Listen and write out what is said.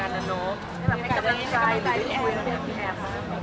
อะไรแบบ